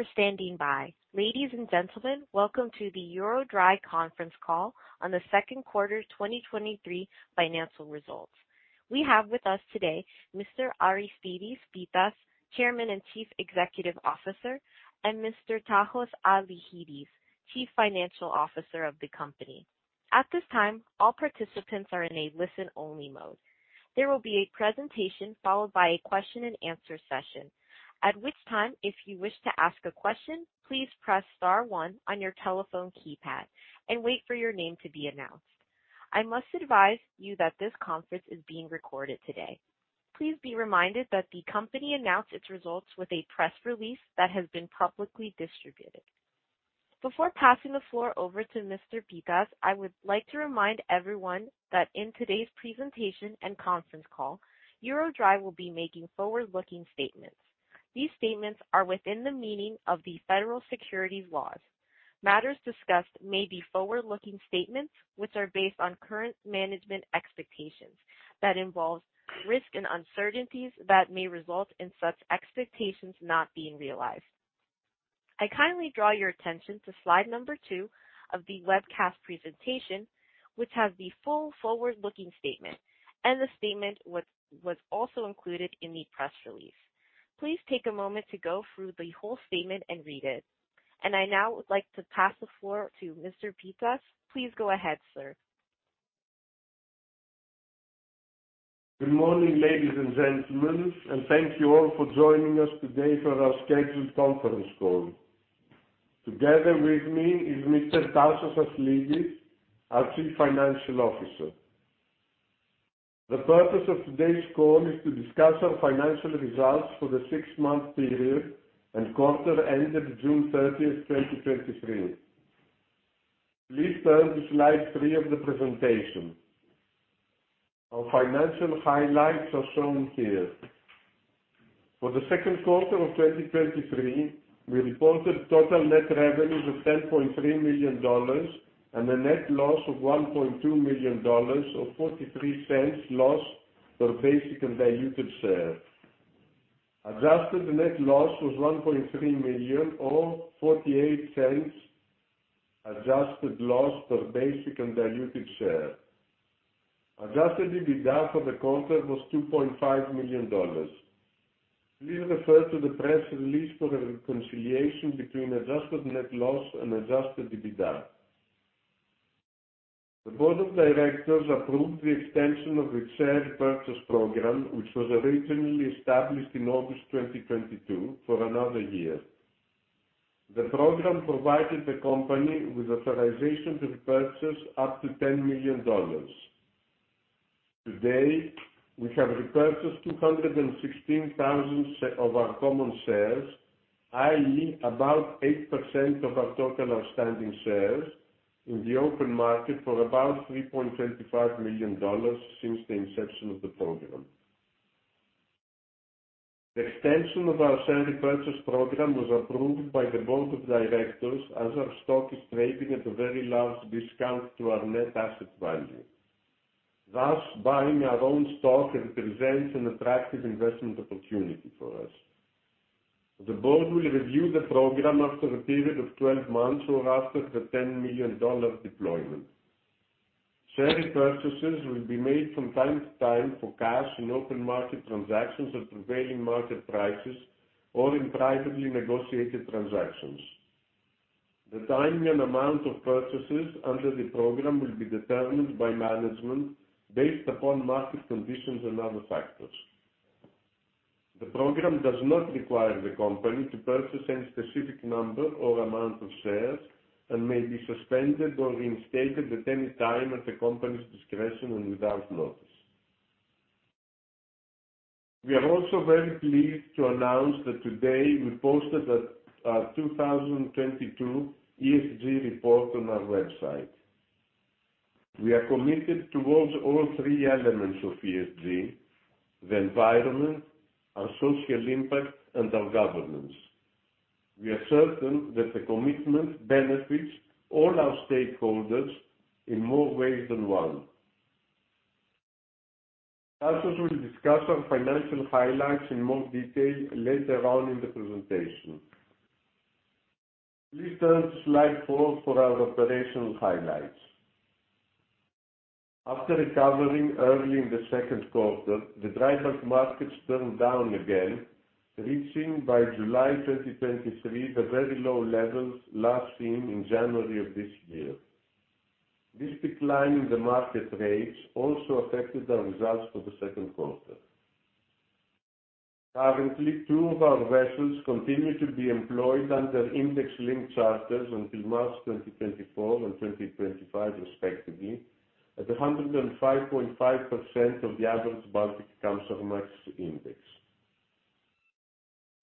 Thank you for standing by. Ladies and gentlemen, welcome to the EuroDry conference call on the second quarter 2023 financial results. We have with us today Mr. Aristides Pittas, Chairman and Chief Executive Officer, and Mr. Tasos Aslidis, Chief Financial Officer of the company. At this time, all participants are in a listen-only mode. There will be a presentation followed by a question and answer session, at which time, if you wish to ask a question, please press star one on your telephone keypad and wait for your name to be announced. I must advise you that this conference is being recorded today. Please be reminded that the company announced its results with a press release that has been publicly distributed. Before passing the floor over to Mr. Pittas, I would like to remind everyone that in today's presentation and conference call, EuroDry will be making forward-looking statements. These statements are within the meaning of the federal securities laws. Matters discussed may be forward-looking statements which are based on current management expectations that involves risk and uncertainties that may result in such expectations not being realized. I kindly draw your attention to slide number two of the webcast presentation, which has the full forward-looking statement, the statement was also included in the press release. Please take a moment to go through the whole statement and read it. I now would like to pass the floor to Mr. Pittas. Please go ahead, sir. Good morning, ladies and gentlemen, thank you all for joining us today for our scheduled conference call. Together with me is Mr. Tasos Aslidis, our Chief Financial Officer. The purpose of today's call is to discuss our financial results for the 6-month period and quarter ended June 30th, 2023. Please turn to slide three of the presentation. Our financial highlights are shown here. For the second quarter of 2023, we reported total net revenues of $10.3 million and a net loss of $1.2 million, or $0.43 loss per basic and diluted share. Adjusted net loss was $1.3 million or $0.48 adjusted loss per basic and diluted share. Adjusted EBITDA for the quarter was $2.5 million. Please refer to the press release for a reconciliation between adjusted net loss and Adjusted EBITDA. The board of directors approved the extension of its share purchase program, which was originally established in August 2022, for another year. The program provided the company with authorization to repurchase up to $10 million. To date, we have repurchased 216,000 of our common shares, i.e., about 8% of our total outstanding shares in the open market for about $3.25 million since the inception of the program. The extension of our share repurchase program was approved by the board of directors as our stock is trading at a very large discount to our net asset value. Thus, buying our own stock represents an attractive investment opportunity for us. The board will review the program after a period of 12 months or after the $10 million deployment. Share repurchases will be made from time to time for cash and open market transactions at prevailing market prices or in privately negotiated transactions. The timing and amount of purchases under the program will be determined by management based upon market conditions and other factors. The program does not require the company to purchase any specific number or amount of shares and may be suspended or reinstated at any time at the company's discretion and without notice. We are also very pleased to announce that today we posted the, our 2022 ESG report on our website. We are committed towards all three elements of ESG, the environment, our social impact, and our governance. We are certain that the commitment benefits all our stakeholders in more ways than one. Tasos will discuss our financial highlights in more detail later on in the presentation. Please turn to slide four for our operational highlights. After recovering early in the second quarter, the dry bulk markets turned down again, reaching by July 2023, the very low levels last seen in January of this year. This decline in the market rates also affected our results for the second quarter. Currently, two of our vessels continue to be employed under index link charters until March 2024 and 2025 respectively, at 105.5% of the average Baltic Supramax Index.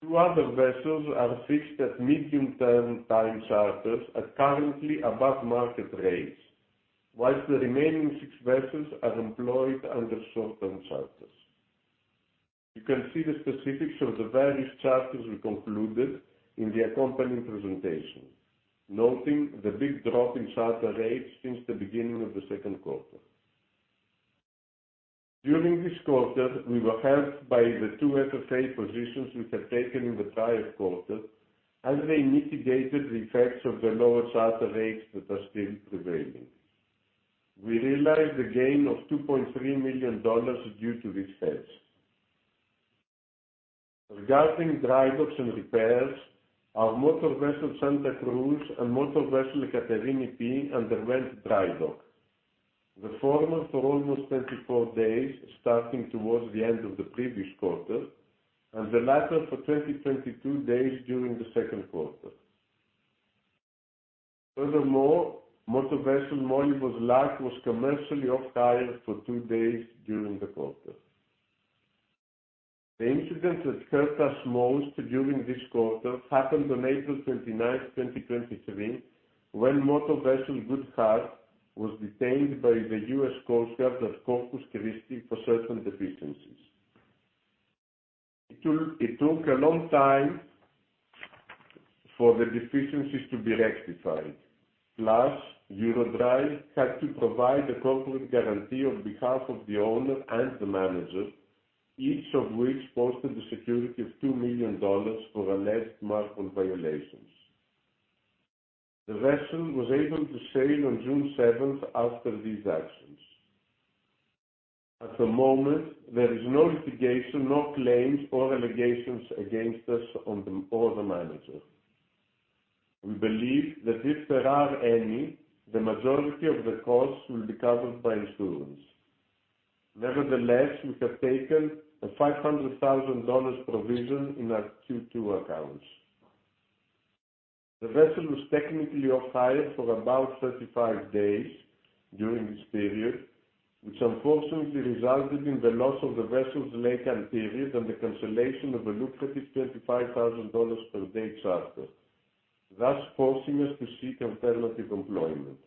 Two other vessels are fixed at medium-term time charters at currently above market rates, whilst the remaining six vessels are employed under short-term charters. You can see the specifics of the various charters we concluded in the accompanying presentation, noting the big drop in charter rates since the beginning of the second quarter. During this quarter, we were helped by the 2 FFA positions we have taken in the prior quarter, as they mitigated the effects of the lower charter rates that are still prevailing. We realized a gain of $2.3 million due to this hedge. Regarding dry docks and repairs, our M/V Santa Cruz and M/V Ekaterini P underwent dry dock. The former for almost 24 days, starting towards the end of the previous quarter, and the latter for 22 days during the second quarter. Furthermore, M/V Molyvos Luck was commercially off hire for two days during the quarter. The incident that hurt us most during this quarter happened on April 29th, 2023, when M/V Good Heart was detained by the U.S. Coast Guard at Corpus Christi for certain deficiencies. It took, it took a long time for the deficiencies to be rectified, plus EuroDry had to provide a corporate guarantee on behalf of the owner and the manager, each of which posted a security of $2 million for alleged MARPOL violations. The vessel was able to sail on June seventh after these actions. At the moment, there is no litigation, nor claims or allegations against us or the manager. We believe that if there are any, the majority of the costs will be covered by insurance. Nevertheless, we have taken a $500,000 provision in our Q2 accounts. The vessel was technically off hire for about 35 days during this period, which unfortunately resulted in the loss of the vessel's laycan period and the cancellation of a lucrative $35,000 per day charter, thus forcing us to seek alternative employment.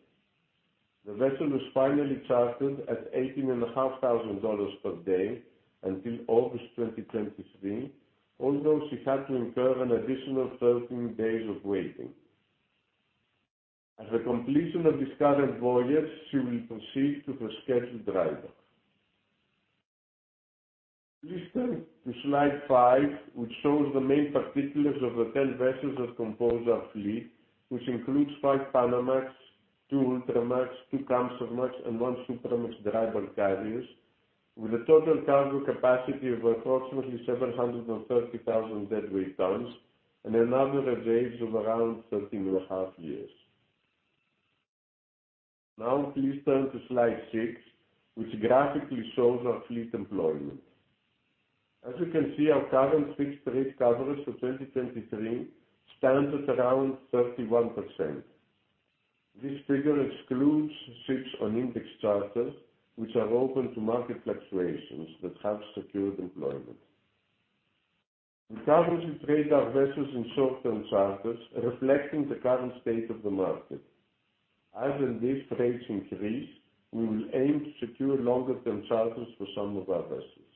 The vessel was finally chartered at $18,500 per day until August 2023, although she had to incur an additional 13 days of waiting. At the completion of this current voyage, she will proceed to her scheduled dry dock. Please turn to slide five, which shows the main particulars of the 10 vessels that compose our fleet, which includes 5 Panamax, 2 Ultramax, 2 Kamsarmax, and 1 Supramax dry bulk carriers, with a total cargo capacity of approximately 730,000 deadweight tons and an average age of around 13.5 years. Now, please turn to slide six, which graphically shows our fleet employment. As you can see, our current fixed rate coverage for 2023 stands at around 31%. This figure excludes ships on index charters, which are open to market fluctuations that have secured employment. We currently trade our vessels in short-term charters, reflecting the current state of the market. As and if rates increase, we will aim to secure longer-term charters for some of our vessels.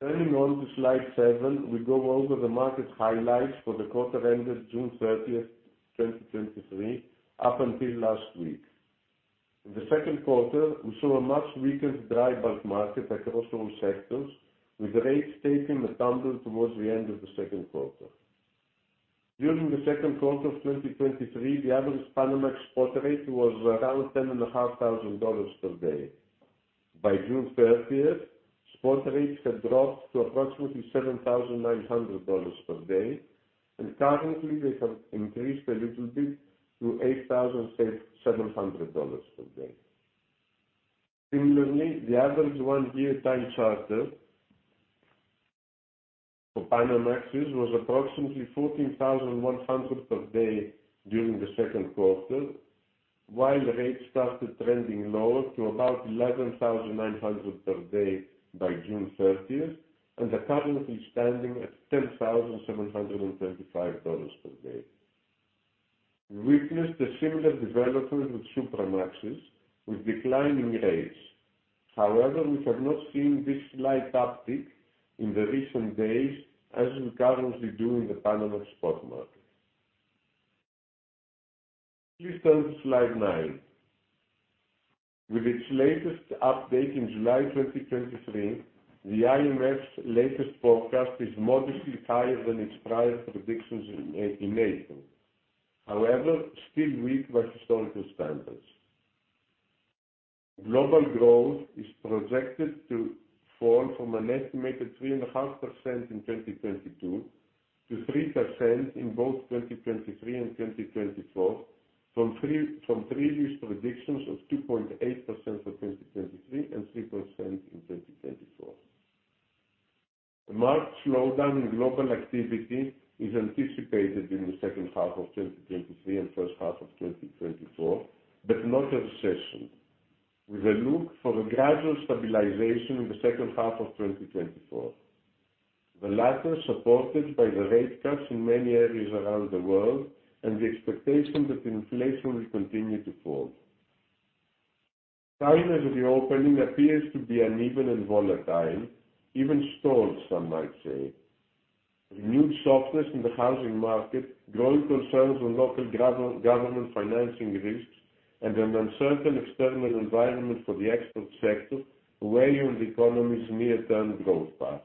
Turning on to slide seven, we go over the market highlights for the quarter ended June 30th, 2023, up until last week. In the second quarter, we saw a much weaker dry bulk market across all sectors, with rates taking a tumble towards the end of the second quarter. During the second quarter of 2023, the average Panamax spot rate was around $10,500 per day. By June 30th, spot rates had dropped to approximately $7,900 per day, and currently they have increased a little bit to $8,700 per day. Similarly, the average one-year time charter for Panamax was approximately $14,100 per day during the second quarter, while rates started trending lower to about $11,900 per day by June 30th, and are currently standing at $10,725 per day. We witnessed a similar development with Supramax, with declining rates. However, we have not seen this slight uptick in the recent days, as we currently do in the Panamax spot market. Please turn to slide nine. With its latest update in July 2023, the IMF's latest forecast is modestly higher than its prior predictions in April. However, still weak by historical standards. Global growth is projected to fall from an estimated 3.5% in 2022 to 3% in both 2023 and 2024, from previous predictions of 2.8% for 2023 and 3% in 2024. A marked slowdown in global activity is anticipated in the second half of 2023 and first half of 2024, but not a recession, with a look for a gradual stabilization in the second half of 2024. The latter, supported by the rate cuts in many areas around the world and the expectation that inflation will continue to fall. Timeliness of reopening appears to be uneven and volatile, even stalled, some might say. New softness in the housing market, growing concerns on local government financing risks, and an uncertain external environment for the export sector weigh on the economy's near-term growth path.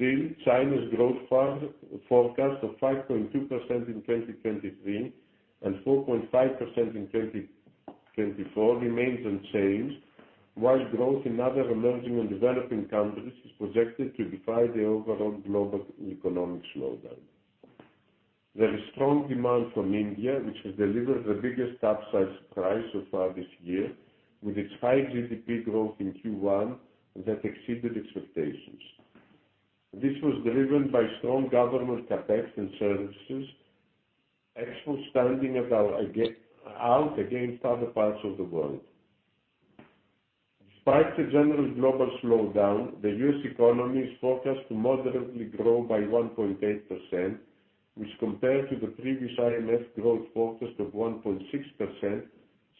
China's growth fund forecast of 5.2% in 2023 and 4.5% in 2024 remains unchanged, while growth in other emerging and developing countries is projected to defy the overall global economic slowdown. There is strong demand from India, which has delivered the biggest upside surprise so far this year, with its high GDP growth in Q1 that exceeded expectations. This was driven by strong government CapEx and services, export standing out against other parts of the world. Despite the general global slowdown, the U.S. economy is forecast to moderately grow by 1.8%, which compared to the previous IMF growth forecast of 1.6%,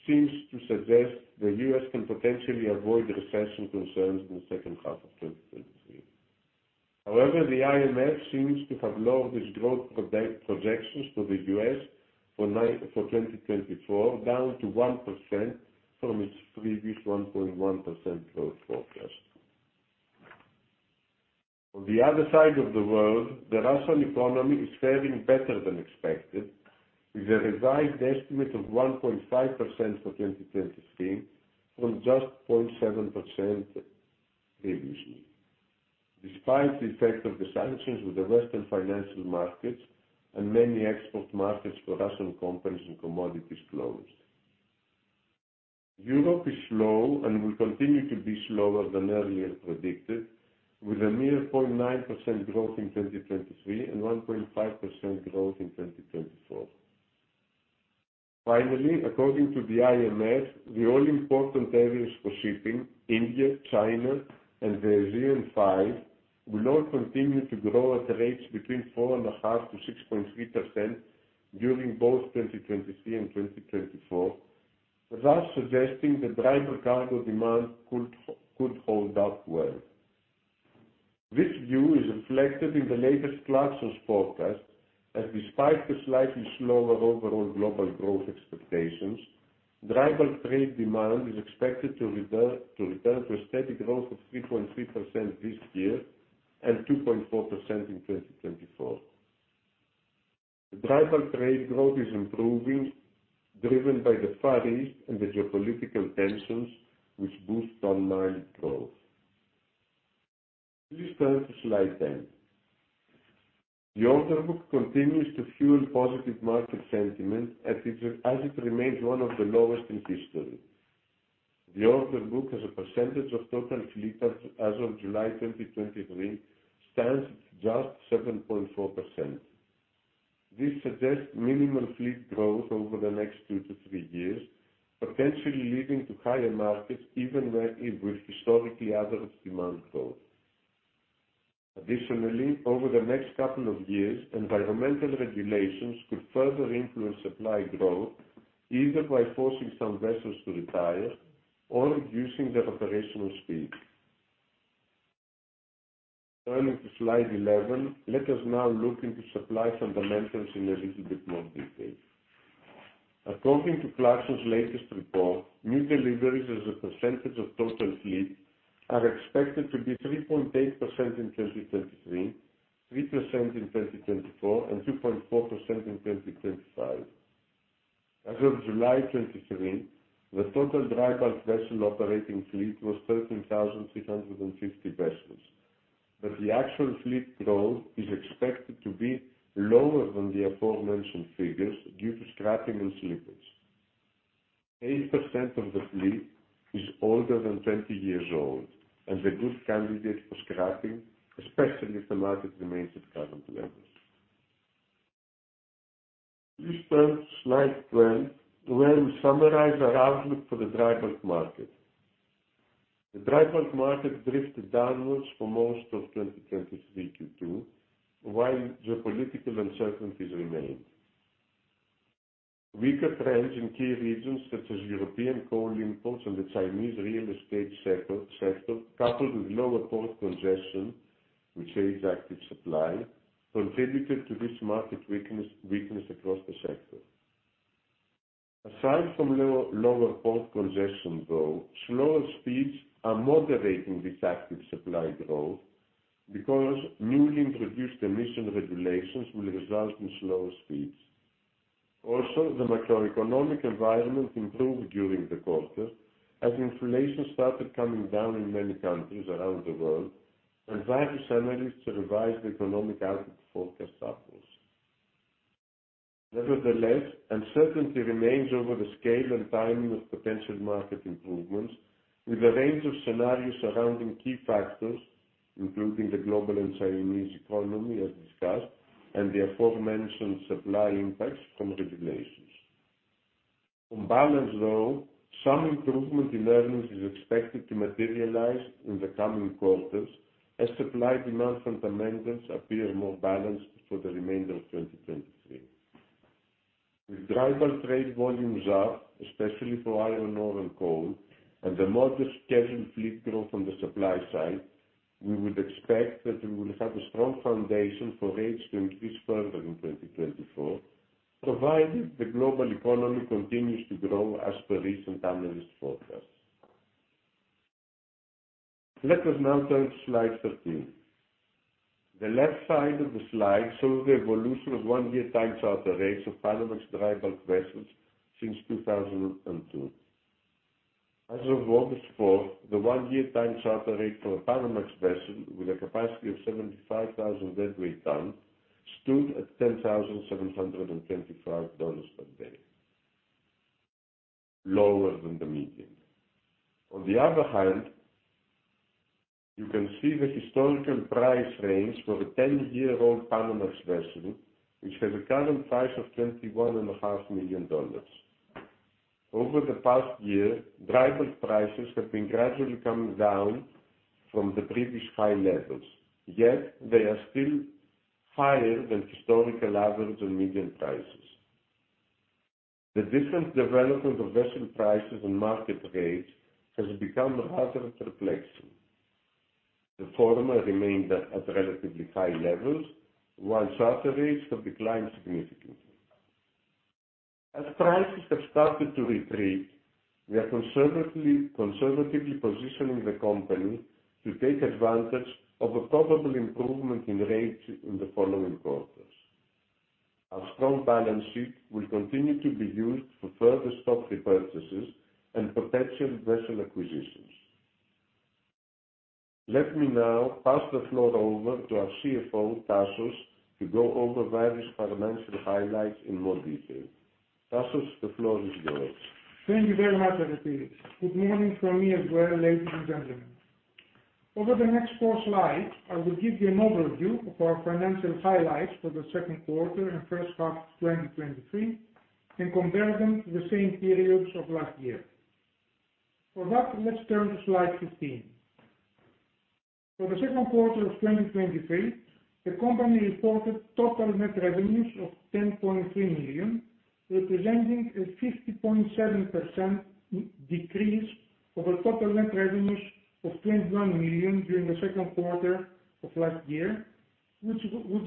seems to suggest the U.S. can potentially avoid recession concerns in the second half of 2023. The IMF seems to have lowered its growth projections for the U.S. for 2024, down to 1% from its previous 1.1% growth forecast. On the other side of the world, the Russian economy is faring better than expected, with a revised estimate of 1.5% for 2023, from just 0.7% previously. Despite the effect of the sanctions with the Western financial markets and many export markets for Russian companies and commodities closed. Europe is slow and will continue to be slower than earlier predicted, with a mere 0.9% growth in 2023 and 1.5% growth in 2024. According to the IMF, the all-important areas for shipping, India, China, and the ASEAN Five, will all continue to grow at a rate between 4.5%-6.3% during both 2023 and 2024, thus suggesting the dry cargo demand could, could hold up well. This view is reflected in the latest Clarksons forecast, as despite the slightly slower overall global growth expectations, dry bulk tradedemand is expected to return, to return to a steady growth of 3.3% this year and 2.4% in 2024. The dry bulk trade growth is improving, driven by the Far East and the geopolitical tensions, which boost ton-mile growth. Please turn to slide 10. The order book continues to fuel positive market sentiment as it remains one of the lowest in history. The order book as a percentage of total fleet as of July 2023, stands at just 7.4%. This suggests minimal fleet growth over the next 2years-3 years, potentially leading to higher markets even with historically average demand growth. Additionally, over the next couple of years, environmental regulations could further influence supply growth, either by forcing some vessels to retire or reducing their operational speed. Turning to slide 11, let us now look into supply fundamentals in a little bit more detail. According to Clarksons latest report, new deliveries as a percentage of total fleet are expected to be 3.8% in 2023, 3% in 2024, and 2.4% in 2025. As of July 2023, the total dry bulk vessel operating fleet was 13,350 vessels, but the actual fleet growth is expected to be lower than the aforementioned figures due to scrapping and slippage. 8% of the fleet is older than 20 years old and a good candidate for scrapping, especially if the market remains at current levels. Please turn to slide 12, where we summarize our outlook for the dry bulk market. The dry bulk market drifted downwards for most of 2023 Q2, while geopolitical uncertainties remained. Weaker trends in key regions such as European coal imports and the Chinese real estate sector, coupled with lower port congestion, which is active supply, contributed to this market weakness across the sector. Aside from lower port congestion, though, slower speeds are moderating this active supply growth because newly introduced emission regulations will result in slower speeds. Also, the macroeconomic environment improved during the quarter, as inflation started coming down in many countries around the world, and various analysts revised the economic output forecast upwards. Nevertheless, uncertainty remains over the scale and timing of potential market improvements, with a range of scenarios surrounding key factors, including the global and Chinese economy, as discussed, and the aforementioned supply impacts from regulations. On balance, though, some improvement in earnings is expected to materialize in the coming quarters, as supply-demand fundamentals appear more balanced for the remainder of 2023. With dry bulk trade volumes up, especially for iron ore and coal, and the modest scheduled fleet growth on the supply side, we would expect that we will have a strong foundation for rates to increase further in 2024, provided the global economy continues to grow as per recent analyst forecasts. Let us now turn to slide 13. The left side of the slide shows the evolution of one-year time charter rates of Panamax dry bulk vessels since 2002. As of August 4th, the one-year time charter rate for a Panamax vessel with a capacity of 75,000 deadweight tons stood at $10,725 per day, lower than the median. On the other hand, you can see the historical price range for a 10-year-old Panamax vessel, which has a current price of $21.5 million. Over the past year, dry bulk prices have been gradually coming down from the previous high levels, yet they are still higher than historical average and median prices. The different development of vessel prices and market rates has become rather perplexing. The former remained at relatively high levels, while charter rates have declined significantly. As prices have started to retreat, we are conservatively positioning the company to take advantage of a probable improvement in rates in the following quarters. Our strong balance sheet will continue to be used for further stock repurchases and potential vessel acquisitions. Let me now pass the floor over to our CFO, Tasos, to go over various financial highlights in more detail. Tasos, the floor is yours. Thank you very much, Aristides. Good morning from me as well, ladies and gentlemen. Over the next four slides, I will give you an overview of our financial highlights for the second quarter and first half of 2023 and compare them to the same periods of last year. For that, let's turn to slide 15. For the second quarter of 2023, the company reported total net revenues of $10.3 million, representing a 50.7% decrease over total net revenues of $21 million during the second quarter of last year, which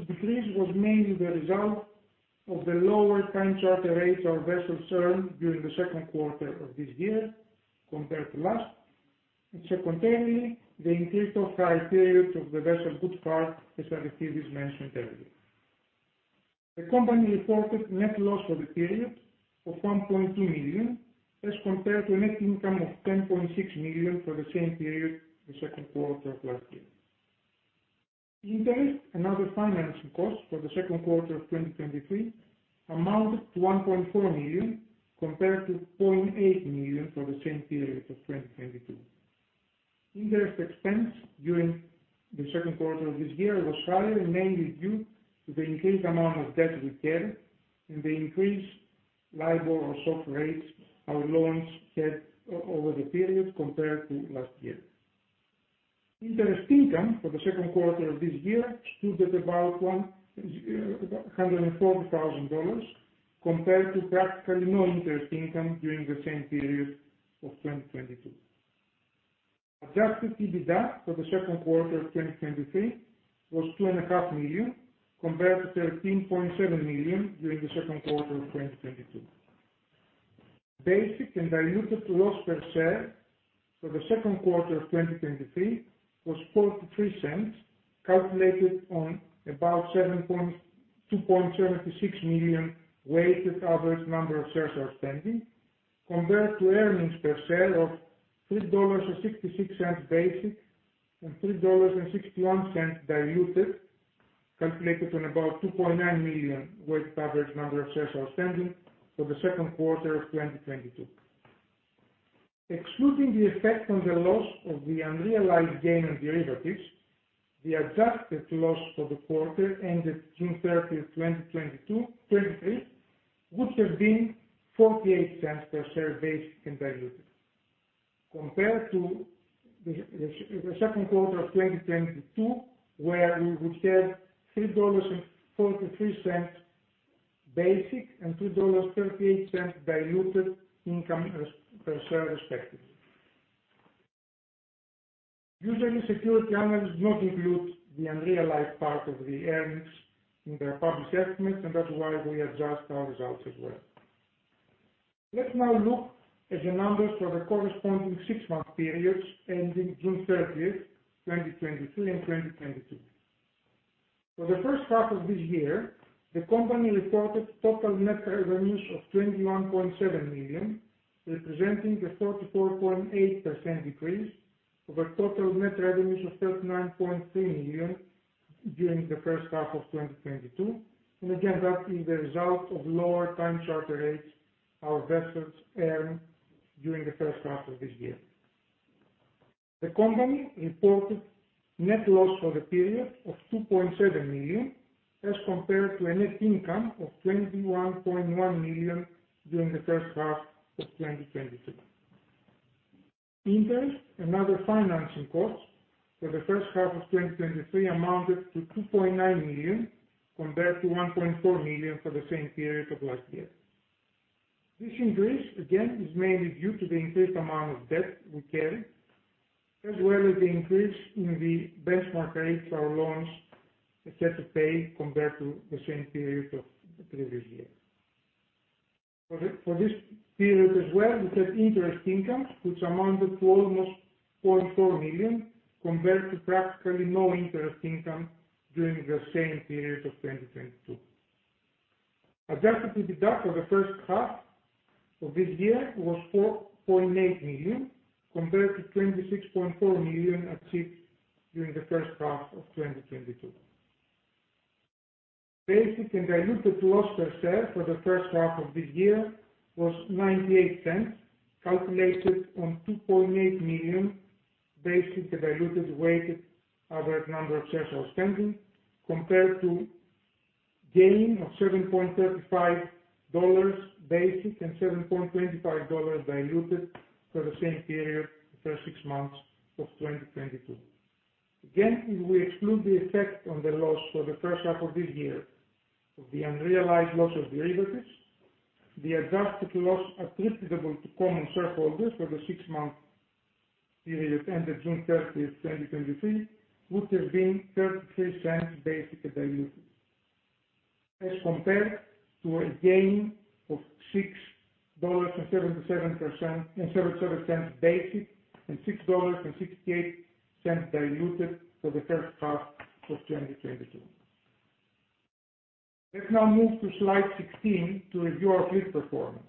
decrease was mainly the result of the lower time charter rates our vessels earned during the second quarter of this year compared to last, and secondarily, the increased off-hire periods of the vessel Good Heart, as Aristides mentioned earlier. The company reported net loss for the period of $1.2 million, as compared to a net income of $10.6 million for the same period the second quarter of last year. Interest and other financing costs for the second quarter of 2023 amounted to $1.4 million, compared to $0.8 million for the same period of 2022. Interest expense during the second quarter of this year was higher, mainly due to the increased amount of debt we carry and the increased LIBOR or SOFR rates our loans had over the period compared to last year. Interest income for the second quarter of this year stood at about $140,000, compared to practically no interest income during the same period of 2022. Adjusted EBITDA for the second quarter of 2023 was $2.5 million, compared to $13.7 million during the second quarter of 2022. Basic and diluted loss per share for the second quarter of 2023 was $0.43, calculated on about 2.76 million weighted average number of shares outstanding, compared to earnings per share of $3.66 basic and $3.61 diluted, calculated on about 2.9 million weighted average number of shares outstanding for the second quarter of 2022. Excluding the effect on the loss of the unrealized gain on derivatives, the adjusted loss for the quarter ended June 30th, 2022, 2023, would have been $0.48 per share basic and diluted. Compared to the second quarter of 2022, where we would have $3.43 basic and $2.38 diluted income as per share respectively. Usually, security analysts not include the unrealized part of the earnings in their published estimates. That's why we adjust our results as well. Let's now look at the numbers for the corresponding six-month periods ending June 30th, 2023 and 2022. For the first half of this year, the company reported total net revenues of $21.7 million, representing a 34.8% decrease over total net revenues of $39.3 million during the first half of 2022. Again, that is the result of lower time charter rates our vessels earned during the first half of this year. The company reported net loss for the period of $2.7 million, as compared to a net income of $21.1 million during the first half of 2022. Interest and other financing costs for the first half of 2023 amounted to $2.9 million, compared to $1.4 million for the same period of last year. This increase, again, is mainly due to the increased amount of debt we carry, as well as the increase in the benchmark rates our loans are set to pay compared to the same period of the previous year. For this period as well, we had interest income, which amounted to almost $4.4 million, compared to practically no interest income during the same period of 2022. Adjusted EBITDA for the first half of this year was $4.8 million, compared to $26.4 million achieved during the first half of 2022. Basic and diluted loss per share for the first half of this year was $0.98, calculated on 2.8 million basic and diluted weighted average number of shares outstanding, compared to gain of $7.35 basic and $7.25 diluted for the same period, the first six months of 2022. Again, if we exclude the effect on the loss for the first half of this year of the unrealized loss of derivatives, the adjusted loss attributable to common shareholders for the six-month period ended June 30, 2023, would have been $0.33 basic and diluted, as compared to a gain of $6.77 basic and $6.68 diluted for the first half of 2022. Let's now move to slide 16 to review our fleet performance.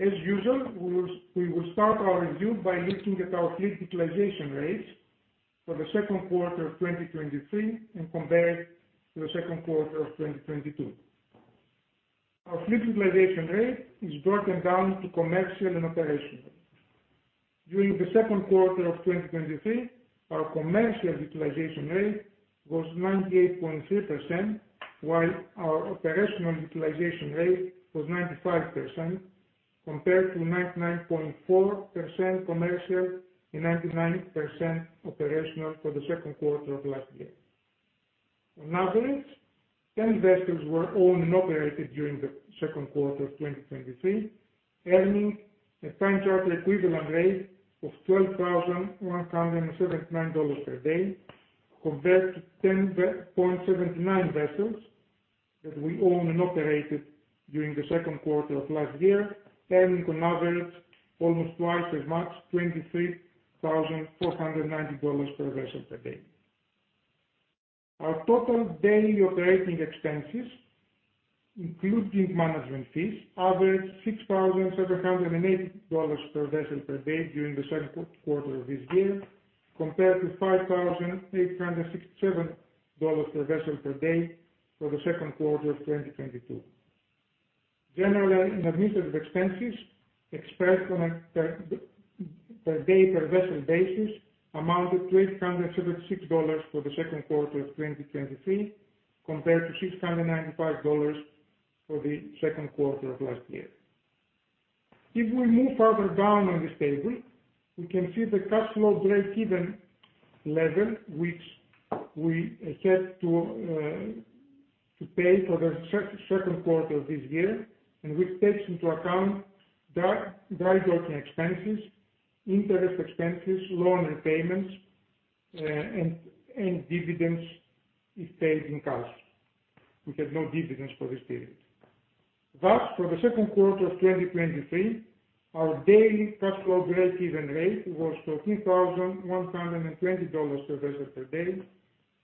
As usual, we will start our review by looking at our fleet utilization rates for the second quarter of 2023 and compare it to the second quarter of 2022. Our fleet utilization rate is broken down to commercial and operational. During the second quarter of 2023, our commercial utilization rate was 98.3%, while our operational utilization rate was 95%, compared to 99.4% commercial and 99% operational for the second quarter of last year. On average, 10 vessels were owned and operated during the second quarter of 2023, earning a time charter equivalent rate of $12,179 per day, compared to 10.79 vessels that we owned and operated during the second quarter of last year, earning on average almost twice as much, $23,490 per vessel per day. Our total daily operating expenses, including management fees, averaged $6,780 per vessel per day during the second quarter of this year, compared to $5,867 per vessel per day for the second quarter of 2022. General and administrative expenses expressed on a per day per vessel basis amounted to $876 for the second quarter of 2023, compared to $695 for the second quarter of last year. If we move further down on this table, we can see the cash flow breakeven level, which we set to pay for the second quarter of this year, and which takes into account dry docking expenses, interest expenses, loan repayments, and dividends if paid in cash. We had no dividends for this period. Thus, for the second quarter of 2023, our daily cash flow breakeven rate was $13,120 per vessel per day,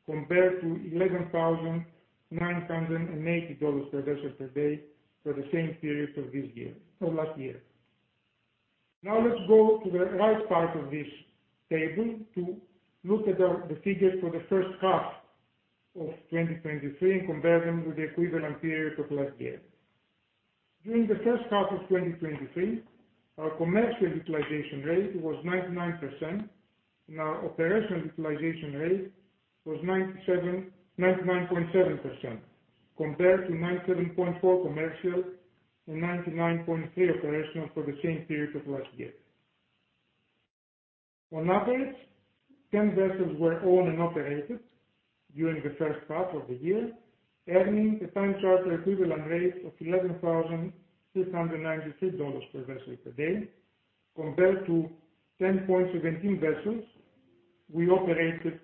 compared to $11,980 per vessel per day for the same period of last year. Now let's go to the right part of this table to look at the figures for the first half of 2023 and compare them with the equivalent period of last year. During the first half of 2023, our commercial utilization rate was 99%, and our operational utilization rate was 99.7%, compared to 97.4% commercial and 99.3% operational for the same period of last year. On average, 10 vessels were owned and operated during the first half of the year, earning a time charter equivalent rate of $11,693 per vessel per day, compared to 10.17 vessels we operated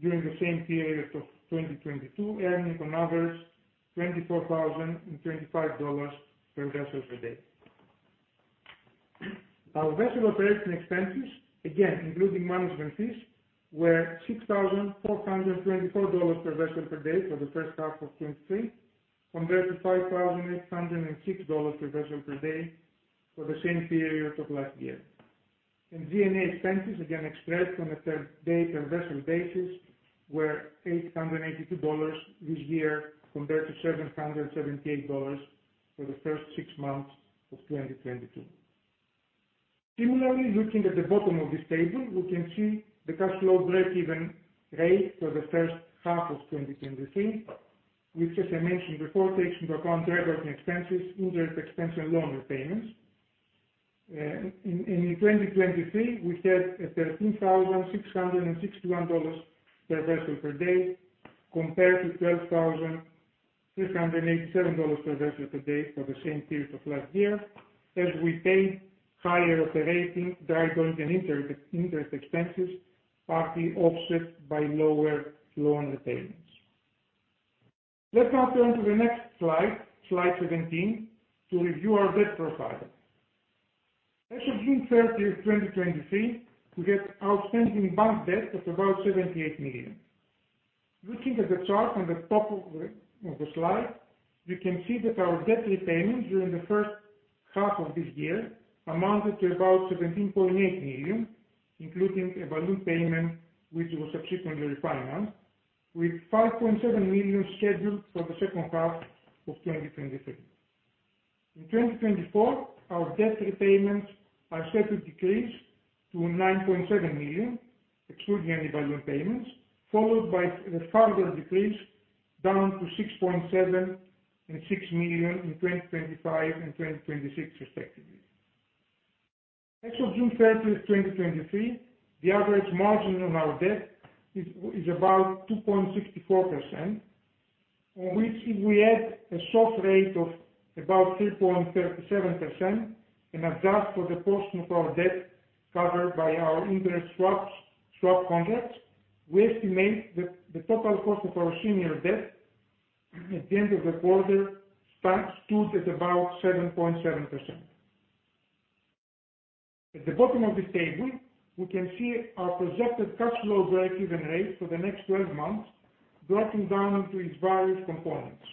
during the same period of 2022, earning on average $24,025 per vessel per day. Our vessel operating expenses, again, including management fees, were $6,424 per vessel per day for the first half of 2023, compared to $5,806 per vessel per day for the same period of last year. G&A expenses, again, expressed on a per day per vessel basis, were $882 this year, compared to $778 for the first six months of 2022. Similarly, looking at the bottom of this table, we can see the cash flow breakeven rate for the first half of 2023, which as I mentioned before, takes into account dry docking expenses, interest expense, and loan repayments. In 2023, we had a $13,661 per vessel per day, compared to $12,387 per vessel per day for the same period of last year, as we paid higher operating, dry docking, and interest expenses, partly offset by lower loan repayments. Let's now turn to the next slide, slide 17, to review our debt profile. As of June 30, 2023, we had outstanding bank debt of about $78 million. Looking at the chart on the top of the slide, you can see that our debt repayments during the first half of this year amounted to about $17.8 million, including a balloon payment, which was subsequently refinanced, with $5.7 million scheduled for the second half of 2023. In 2024, our debt repayments are set to decrease to $9.7 million, excluding any balloon payments, followed by a further decrease down to $6.7 million and $6 million in 2025 and 2026 respectively. As of June thirtieth, 2023, the average margin on our debt is about 2.64%, on which we add a short rate of about 3.37% and adjust for the portion of our debt covered by our interest swaps, swap contracts. We estimate that the total cost of our senior debt at the end of the quarter stands, stood at about 7.7%. At the bottom of this table, we can see our projected cash flow breakeven rate for the next 12 months, broken down into its various components.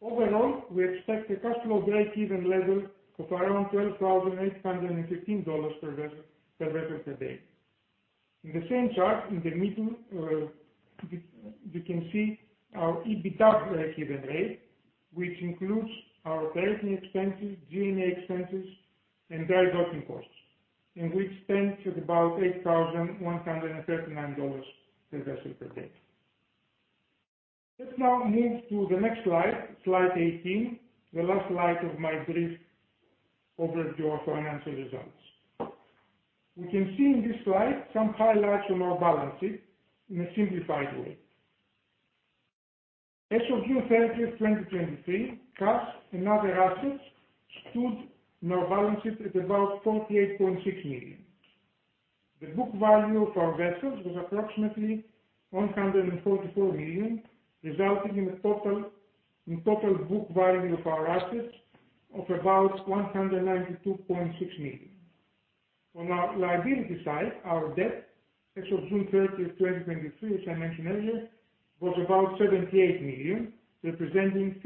Overall, we expect a cash flow breakeven level of around $12,815 per vessel, per vessel per day. In the same chart in the middle, you can see our EBITDA breakeven rate, which includes our operating expenses, G&A expenses, and dry docking costs, and which stands at about $8,139 per vessel per day. Let's now move to the next slide, slide 18, the last slide of my brief overview of financial results. We can see in this slide some highlights on our balance sheet in a simplified way. As of June 30th, 2023, cash and other assets stood in our balance sheet at about $48.6 million. The book value of our vessels was approximately $144 million, resulting in a total book value of our assets of about $192.6 million. On our liability side, our debt as of June 30th, 2023, as I mentioned earlier, was about $78 million, representing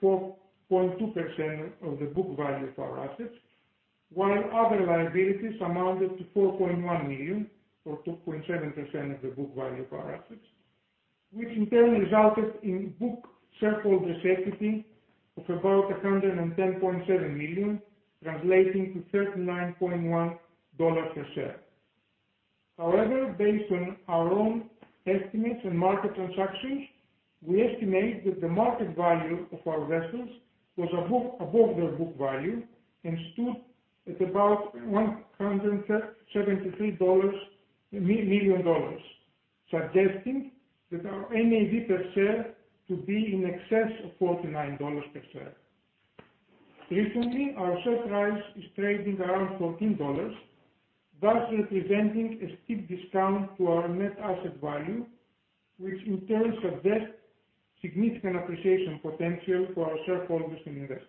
54.2% of the book value of our assets, while other liabilities amounted to $4.1 million, or 2.7% of the book value of our assets, which in turn resulted in book shareholders' equity of about $110.7 million, translating to $39.1 per share. However, based on our own estimates and market transactions, we estimate that the market value of our vessels was above, above their book value and stood at about $173 million, suggesting that our NAV per share to be in excess of $49 per share. Recently, our share price is trading around $14, thus representing a steep discount to our net asset value, which in turn suggests significant appreciation potential for our shareholders and investors.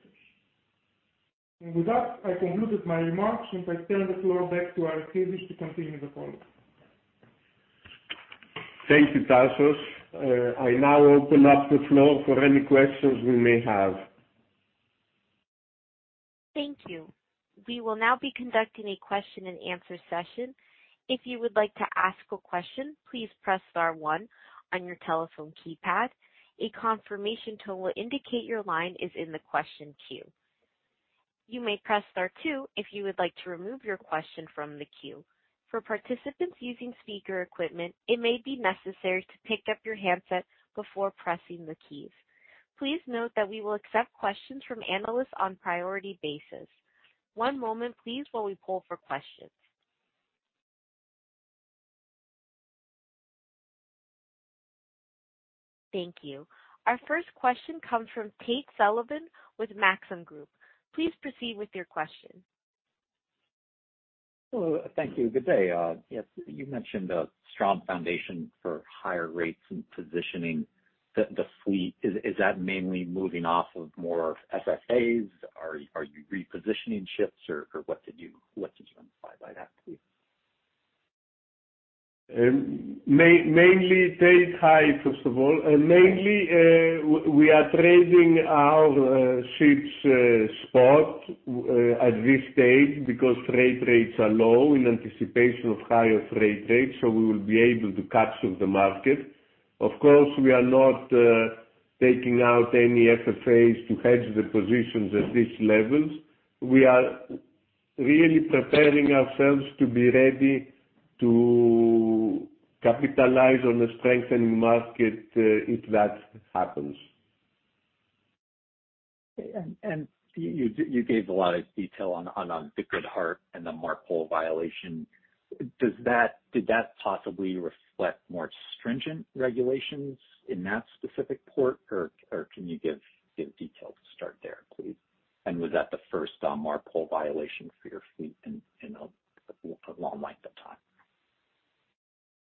With that, I concluded my remarks, and I turn the floor back to Aristides to continue the call. Thank you, Tasos. I now open up the floor for any questions we may have. Thank you. We will now be conducting a question and answer session. If you would like to ask a question, please press star one on your telephone keypad. A confirmation tone will indicate your line is in the question queue. You may press star two if you would like to remove your question from the queue. For participants using speaker equipment, it may be necessary to pick up your handset before pressing the keys. Please note that we will accept questions from analysts on priority basis. One moment please, while we poll for questions. Thank you. Our first question comes from Tate Sullivan with Maxim Group. Please proceed with your question. Hello. Thank you. Good day, yes, you mentioned a strong foundation for higher rates and positioning the, the fleet. Is, is that mainly moving off of more FFAs? Are, are you repositioning ships or, or what did you, what did you imply by that, please? Mainly, Tate, hi, first of all, mainly, we are trading our ships spot at this stage because freight rates are low in anticipation of higher freight rates, so we will be able to capture the market. Of course, we are not taking out any FFAs to hedge the positions at this levels. We are really preparing ourselves to be ready to capitalize on the strengthening market, if that happens. You gave a lot of detail on the Good Heart and the MARPOL violation. Did that possibly reflect more stringent regulations in that specific port? Can you give details to start there, please? Was that the first MARPOL violation for your fleet in a long length of time?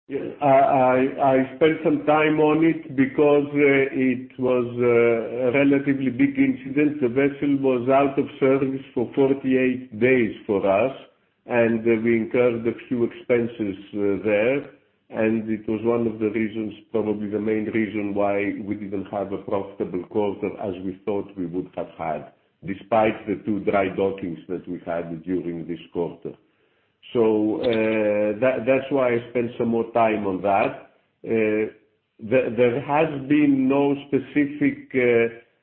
Yeah. I, I, I spent some time on it because it was a relatively big incident. The vessel was out of service for 48 days for us, we incurred a few expenses there. It was one of the reasons, probably the main reason, why we didn't have a profitable quarter as we thought we would have had, despite the 2 dry dockings that we had during this quarter. That-that's why I spent some more time on that. There, there has been no specific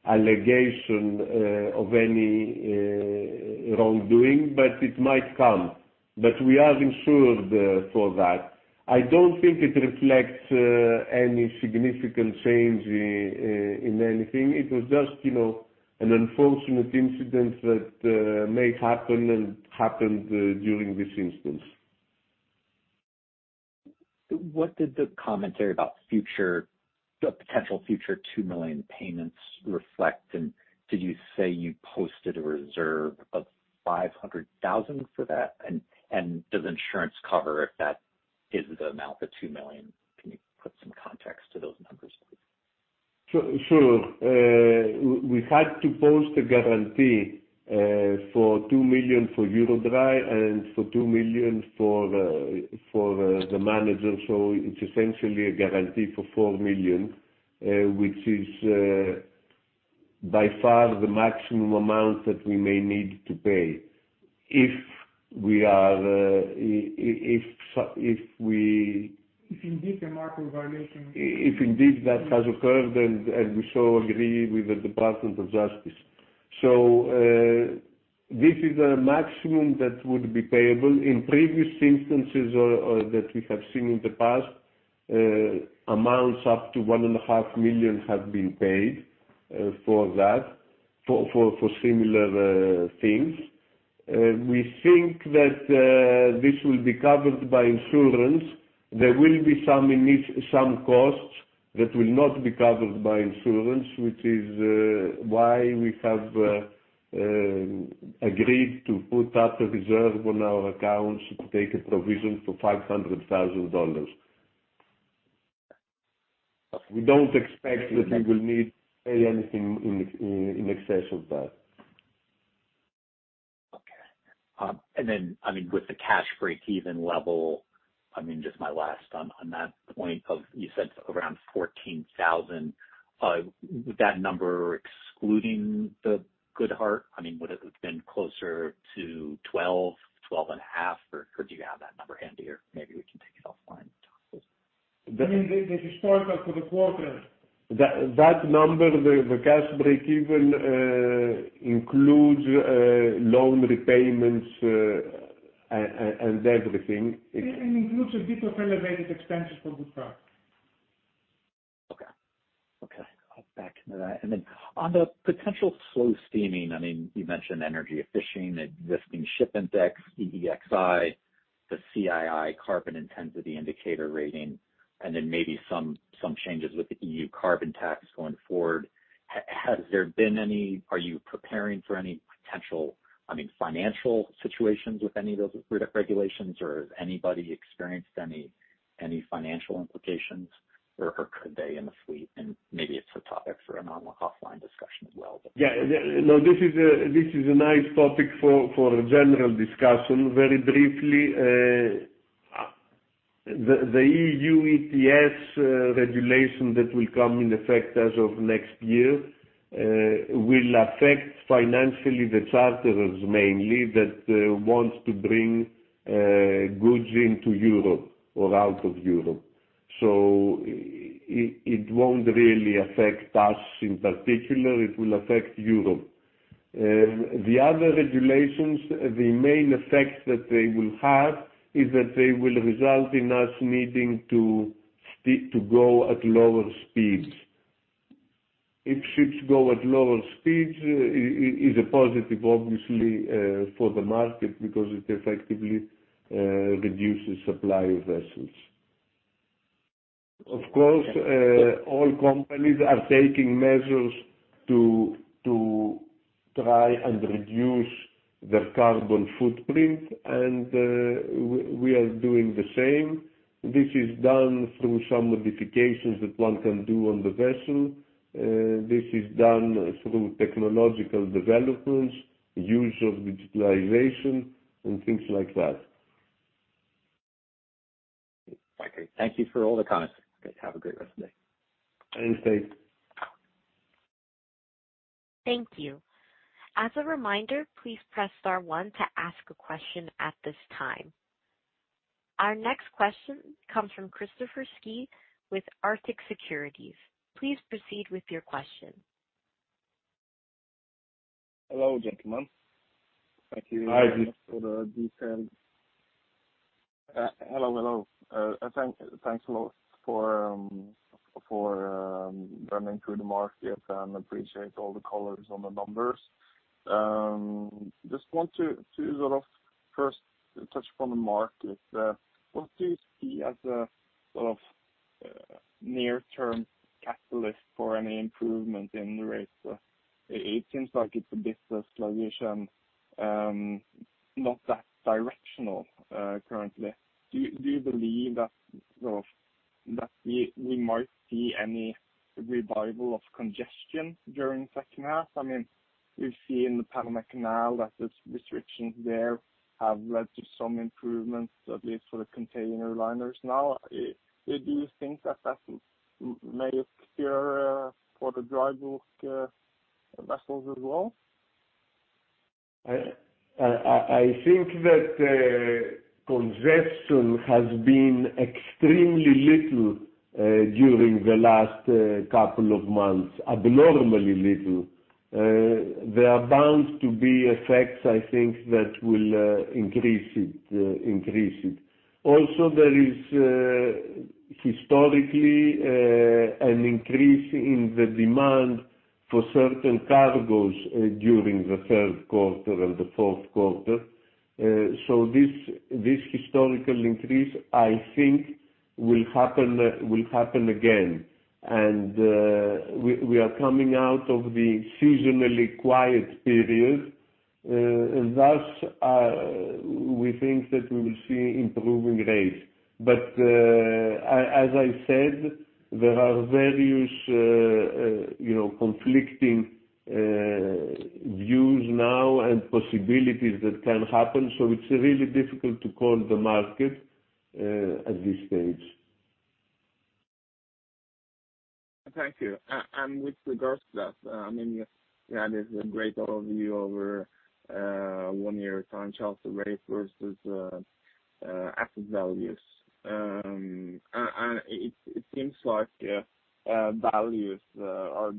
allegation of any wrongdoing, but it might come. We are insured for that. I don't think it reflects any significant change in anything. It was just, you know, an unfortunate incident that may happen and happened during this instance. What did the commentary about future, the potential future $2 million payments reflect? Did you say you posted a reserve of $500,000 for that? Does insurance cover if that is the amount, the $2 million? Can you put some context to those numbers, please? Sure. Sure. We had to post a guarantee for $2 million for EuroDry and for $2 million for the, for the, the manager. It's essentially a guarantee for $4 million, which is by far the maximum amount that we may need to pay if we are, if we- If indeed the MARPOL violation. If indeed that has occurred, and, and we so agree with the Department of Justice. This is a maximum that would be payable. In previous instances or, or that we have seen in the past, amounts up to $1.5 million have been paid for that, for, for, for similar things. We think that this will be covered by insurance. There will be some niche, some costs that will not be covered by insurance, which is why we have agreed to put up a reserve on our accounts to take a provision for $500,000. We don't expect that we will need to pay anything in ex- in, in excess of that. I mean, with the cash breakeven level, I mean, just my last on, on that point of you said around $14,000. Would that number excluding the Good Heart? I mean, would it have been closer to $12,000, $12,500, or do you have that number handy, or maybe we can take it offline? I mean, the, the historical for the quarter. That, that number, the, the cash breakeven, includes loan repayments, and everything. It includes a bit of elevated expenses for Good Heart. Okay. Okay, I'll back into that. Then on the potential slow steaming, I mean, you mentioned energy efficient, existing ship index, EEXI, the CII, Carbon Intensity Indicator rating, and then maybe some, some changes with the EU carbon tax going forward. Are you preparing for any potential, I mean, financial situations with any of those regulations? Or has anybody experienced any, any financial implications, or, or could they in the fleet? Maybe it's a topic for an offline discussion as well, but. Yeah. No, this is a nice topic for general discussion. Very briefly, the EU ETS regulation that will come in effect as of next year will affect financially the charterers mainly, that wants to bring goods into Europe or out of Europe. It won't really affect us in particular. It will affect Europe. The other regulations, the main effect that they will have is that they will result in us needing to stick to go at lower speeds. If ships go at lower speeds, it's a positive obviously for the market because it effectively reduces supply of vessels. Of course, all companies are taking measures to try and reduce their carbon footprint, and we are doing the same. This is done through some modifications that one can do on the vessel. This is done through technological developments, use of digitalization and things like that. Okay. Thank you for all the comments. Have a great rest of the day. Thanks, Tate. Thank you. As a reminder, please press star one to ask a question at this time. Our next question comes from Kristoffer Skeie with Arctic Securities. Please proceed with your question. Hello, gentlemen. Thank you. Hi. For the details. Hello, hello. Thanks a lot for running through the market and appreciate all the colors on the numbers. Just want to sort of first touch upon the market. What do you see as a sort of near-term catalyst for any improvement in the rates? It seems like it's a bit slowish and not that directional currently. Do you believe that, sort of, that we might see any revival of congestion during second half? I mean, we've seen in the Panama Canal that the restrictions there have led to some improvements, at least for the container liners now. Do you think that that may occur for the dry bulk vessels as well? I, I, I think that congestion has been extremely little during the last couple of months, abnormally little. There are bound to be effects, I think, that will increase it, increase it. Also, there is historically an increase in the demand for certain cargos during the third quarter and the fourth quarter. This, this historical increase, I think will happen, will happen again. We, we are coming out of the seasonally quiet period, and thus, we think that we will see improving rates. As, as I said, there are various, you know, conflicting views now and possibilities that can happen, so it's really difficult to call the market at this stage. Thank you. With regards to that, I mean, you had a great overview over one-year time charter rates versus asset values. It seems like values are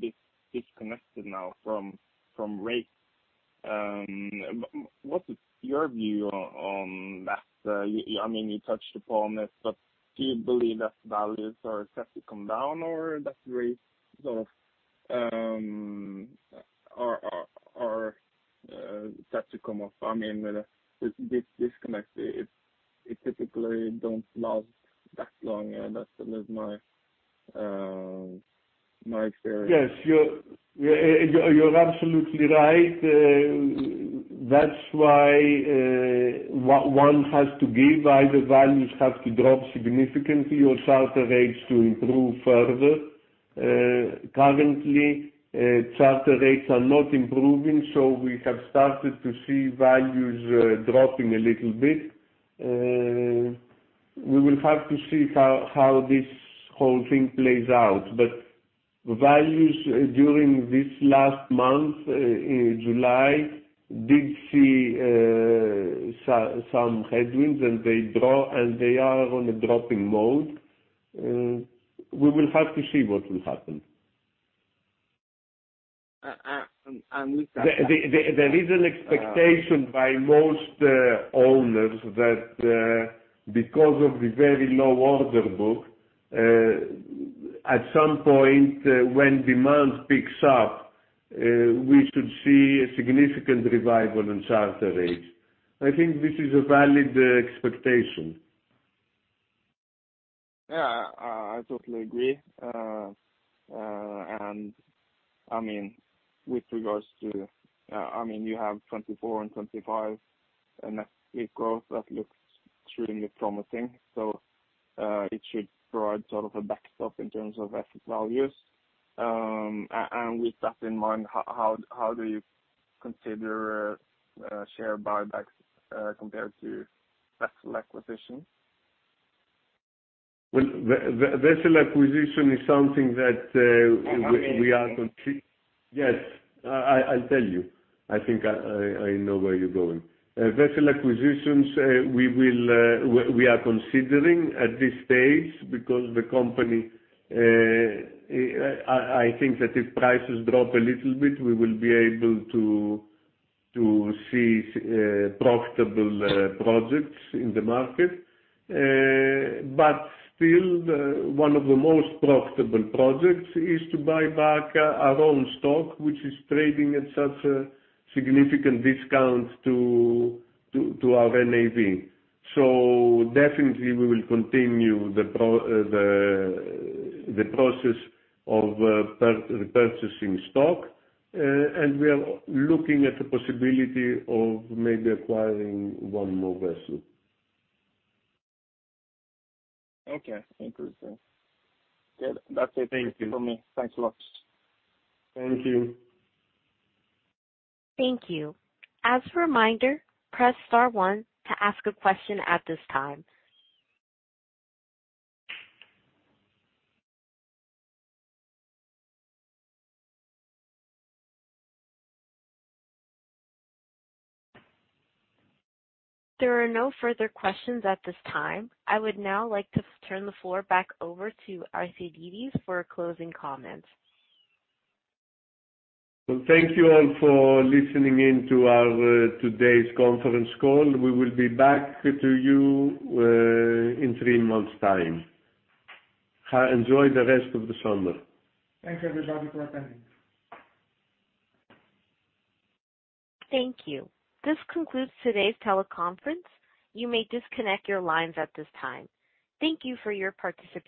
disconnected now from rates. What is your view on that? I mean, you touched upon this, but do you believe that values are set to come down or that rates sort of set to come up? I mean, this disconnect, it typically don't last that long, and that is my experience. Yes, you're, you're, you're absolutely right. That's why, one, one has to give, either values have to drop significantly or charter rates to improve further. Currently, charter rates are not improving, so we have started to see values, dropping a little bit. We will have to see how, how this whole thing plays out. Values during this last month, in July, did see, some, some headwinds, and they drop, and they are on a dropping mode. We will have to see what will happen. With that. There, there, there is an expectation by most owners that because of the very low order book, at some point, when demand picks up, we should see a significant revival in charter rates. I think this is a valid expectation. Yeah, I, I totally agree. I mean, with regards to, I mean, you have 2024 and 2025, and that growth, that looks extremely promising. It should provide sort of a backstop in terms of asset values. With that in mind, how, how do you consider, share buybacks, compared to vessel acquisition? Well, vessel acquisition is something that, we are complete. I mean- Yes, I, I, I'll tell you. I think I, I, I know where you're going. vessel acquisitions, we will, we, we are considering at this stage because the company I, I think that if prices drop a little bit, we will be able to, to see, profitable, projects in the market. Still, one of the most profitable projects is to buy back our own stock, which is trading at such a significant discount to our NAV. Definitely we will continue the process of, repurchasing stock, and we are looking at the possibility of maybe acquiring one more vessel. Okay, interesting. Good. That's it. Thank you. For me. Thanks a lot. Thank you. Thank you. As a reminder, press star one to ask a question at this time. There are no further questions at this time. I would now like to turn the floor back over to Aristides for closing comments. Well, thank you all for listening in to our, today's conference call. We will be back to you, in 3 months' time. Enjoy the rest of the summer. Thanks, everybody, for attending. Thank you. This concludes today's teleconference. You may disconnect your lines at this time. Thank you for your participation.